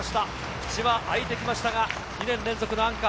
口は開いてきましたが２年連続のアンカー。